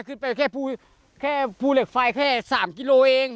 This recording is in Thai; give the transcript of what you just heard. ขึ้นไปแค่ภูเหล็กไฟแค่๓กิโลเอง